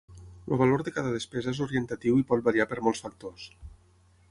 El valor de cada despesa és orientatiu i pot variar per molts factors.